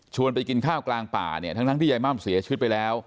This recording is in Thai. ไปกินข้าวกลางป่าเนี่ยทั้งที่ยายม่ำเสียชีวิตไปแล้ว